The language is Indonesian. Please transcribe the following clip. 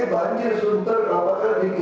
kalau dianggap nampak